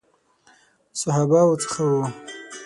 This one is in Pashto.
صحابه وو څخه وو.